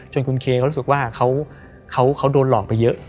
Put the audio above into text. คุณเคเขารู้สึกว่าเขาโดนหลอกไปเยอะ